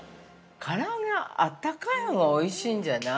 ◆から揚げはあったかいほうがおいしいんじゃない？